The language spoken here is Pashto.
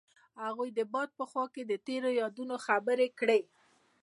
هغوی د باد په خوا کې تیرو یادونو خبرې کړې.